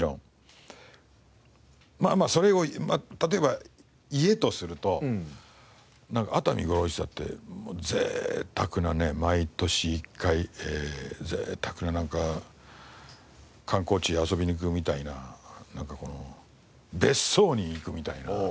まあそれを例えば家とすると熱海五郎一座って贅沢なね毎年１回贅沢ななんか観光地へ遊びに行くみたいな別荘に行くみたいな感覚です。